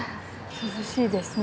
涼しいですね。